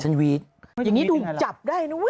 ฉันวีดอย่างนี้ดูจับได้นะ